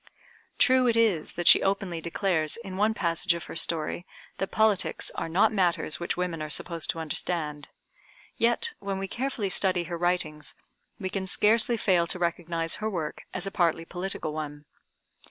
True it is that she openly declares in one passage of her story that politics are not matters which women are supposed to understand; yet, when we carefully study her writings, we can scarcely fail to recognize her work as a partly political one.